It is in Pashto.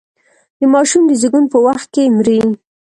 د ماشوم د زېږون په وخت کې مري.